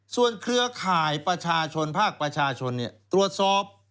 ส่วนเครือข่ายประชาชนภาคประชาชนตรวจสอบ